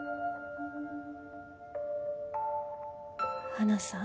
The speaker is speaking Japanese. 花さん